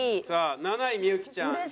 さあ７位幸ちゃん。